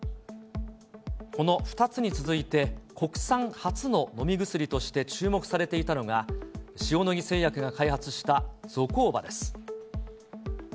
この２つに続いて、国産初の飲み薬として注目されていたのが、塩野義製薬が開発したゾコーバです。